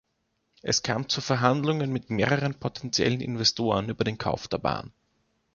Es kam zu Verhandlungen mit mehreren potentiellen Investoren über den Kauf der Bahn.